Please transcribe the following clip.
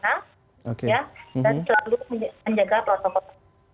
dan selalu menjaga protokol